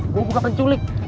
gue bukan penculik